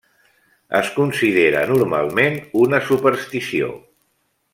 Es considera normalment una superstició.